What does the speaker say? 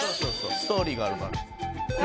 ストーリーがあるから。